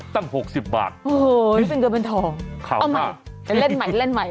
๖๐บาทโอ้โหนี่เป็นเงินเป็นทองเอาใหม่ไปเล่นใหม่เล่นใหม่